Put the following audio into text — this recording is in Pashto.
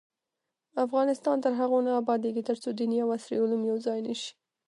افغانستان تر هغو نه ابادیږي، ترڅو دیني او عصري علوم یو ځای نشي.